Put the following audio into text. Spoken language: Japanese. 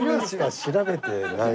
調べてない。